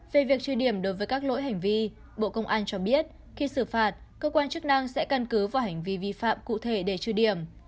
về việc truy điểm đối với các lỗi hành vi bộ công an cho biết khi xử phạt cơ quan chức năng sẽ căn cứ vào hành vi vi phạm cụ thể để trừ điểm